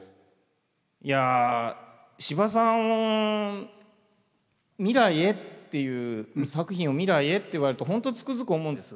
いや司馬さん「未来へ」っていう「作品を未来へ」って言われると本当つくづく思うんです。